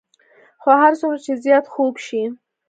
هر څومره چې زیات خوږ شي.